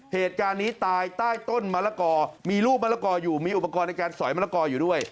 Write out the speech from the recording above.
เหตุการณ์นี้ตายใต้ต้นมะละกอมีลูกมะละกออยู่มีอุปกรณ์ในการสอยมะละกออยู่ด้วย